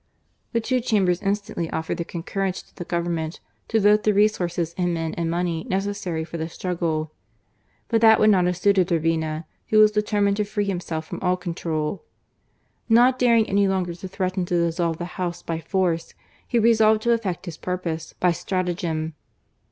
The two Chambers instantly offered their concur rence to the Government to vote the resources in men and money necessary for the struggle. But that would not have suited Urbina, who was determined to free himself from all control. Not daring any longer to threaten to dissolve the House by force, he resolved to effect his purpose by stratagem.